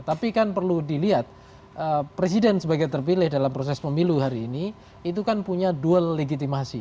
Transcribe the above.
tapi kan perlu dilihat presiden sebagai terpilih dalam proses pemilu hari ini itu kan punya duel legitimasi